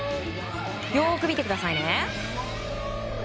よく見てくださいね。